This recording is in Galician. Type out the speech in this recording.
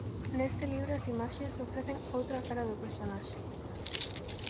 Neste libro as imaxes ofrecen outra cara do personaxe.